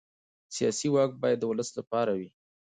سیاسي واک باید د ولس لپاره وي